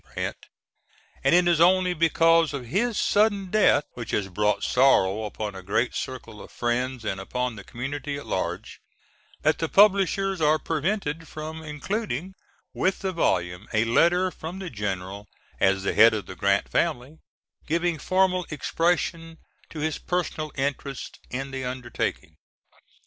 Grant, and it is only because of his sudden death, which has brought sorrow upon a great circle of friends and upon the community at large, that the publishers are prevented from including with the volume a letter from the General as the head of the Grant family, giving formal expression to his personal interest in the undertaking.